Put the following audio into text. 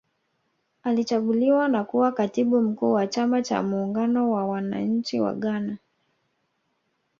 Alichaguliwa kuwa katibu mkuu wa chama cha muungano wa wananchi wa Ghana